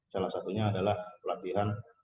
salah satunya adalah pelatihan